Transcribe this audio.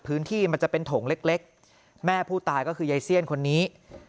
พื้นที่มันจะเป็นถงเล็กแม่ผู้ตายก็คือใยเซียนคนนี้